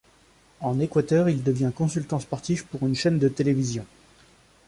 En Équateur, il devient consultant sportif pour une chaîne de télévision.